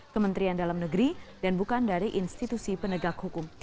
kementerian dalam negeri dan bukan dari institusi penegak hukum